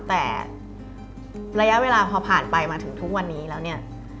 แต่ระยะเวลาพอผ่านไปมาถึงทุกวันนี้แล้วเนี่ย